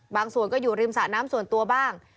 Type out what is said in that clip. ส่วนก็อยู่ริมสระน้ำส่วนตัวบ้าง